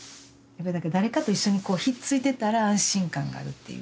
誰かと一緒にひっついてたら安心感があるっていうね。